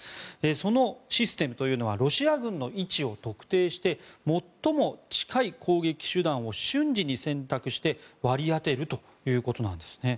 そのシステムというのはロシア軍の位置を特定して最も近い攻撃手段を瞬時に選択して割り当てるということなんですね。